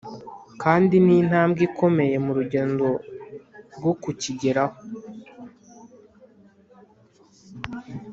kandi ni intambwe ikomeye mu rugendo rwo kukigeraho